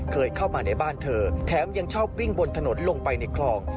เคยเข้ามาในบ้านเธอแถมยังชอบวิ่งบนถนนลงไปในคลอง